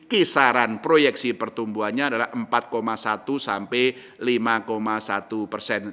kisaran proyeksi pertumbuhannya adalah empat satu sampai lima satu persen